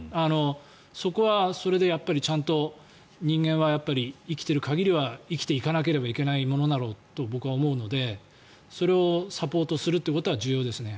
そこはそれでちゃんと人間は、生きている限りは生きていかなければいけないものだろうと僕は思うのでそれをサポートするということは重要ですね。